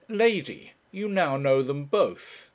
Lady, you now know them both.